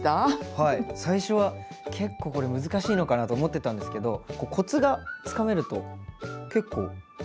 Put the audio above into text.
最初は結構これ難しいのかなと思ってたんですけどコツがつかめると結構簡単にというか。